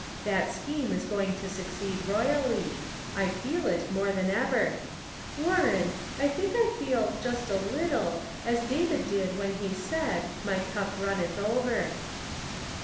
That scheme is going to succeed roy Measuring Human Influence. 389 ally. I feel it, more than ever. Warren, I think I feel just a little as David did when he said, ' My cup runneth over.'